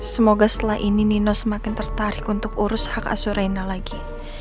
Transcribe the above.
semoga setelah ini nino semakin tertarik untuk urus hak azurena lagi